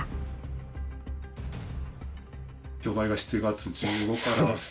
競売が７月１５日から。